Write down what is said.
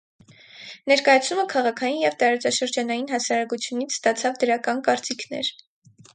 Ներկայացումը քաղաքային և տարածաշրջանային հասարակությունից ստացավ դրական կարծիքներ։